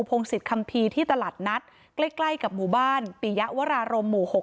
พงศิษยคัมภีร์ที่ตลาดนัดใกล้ใกล้กับหมู่บ้านปียะวรารมหมู่๖